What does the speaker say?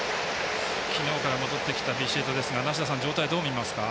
昨日から戻ってきビシエドですが梨田さん、状態はどう見ますか？